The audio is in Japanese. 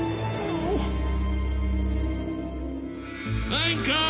アンカー。